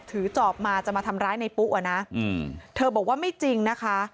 จอบมาจะมาทำร้ายในปุ๊อ่ะนะเธอบอกว่าไม่จริงนะคะ